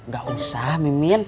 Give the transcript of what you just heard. gak usah mimin